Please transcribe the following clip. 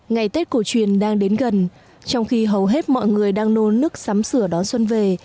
ngày tết cổ truyền đang đến gần trong khi hầu hết mọi người đang nôn nước sắm sửa đón xuân về